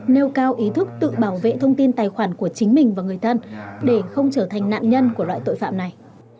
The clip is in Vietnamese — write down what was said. nêu cao ý thức tự bảo vệ thông tin tài khoản của chính mình và người thân để không trở thành nạn nhân của loại tội phạm này